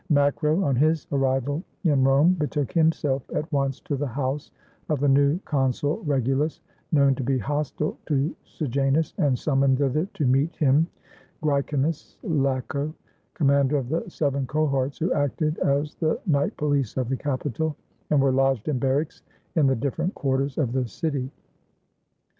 Macro, on his arrival in Rome, betook himself at once to the house of the new consul Regulus, known to be hostile to Sejanus, and summoned thither to meet him Graecinus Laco, commander of the seven cohorts who acted as the night poUce of the capital, and were lodged in barracks in the different quarters of the city.